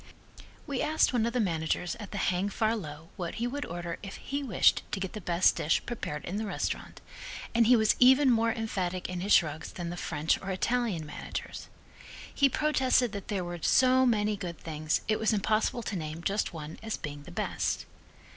We asked one of the managers at the Hang Far Low what he would order if he wished to get the best dish prepared in the restaurant, and he was even more emphatic in his shrugs than the French or Italian managers. He protested that there were so many good things it was impossible to name just one as being the best.